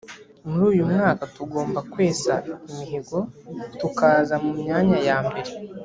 muri uyu mwaka tugomba kwesa imihigo tukaza mu myanya ya mbere